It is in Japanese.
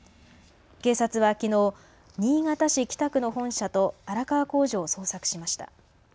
警察はきのう、新潟市北区の本社と荒川工場を捜索しました。